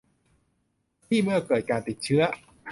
ที่เมื่อเกิดการติดเชื้อ